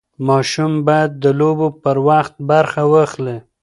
ماشوم باید د لوبو په وخت برخه واخلي.